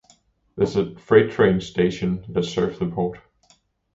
There is a freight train station that serves the port.